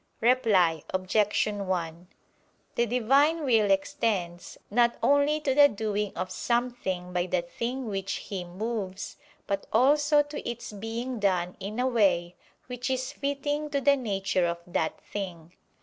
Reply Obj. 1: The Divine will extends not only to the doing of something by the thing which He moves, but also to its being done in a way which is fitting to the nature of that thing.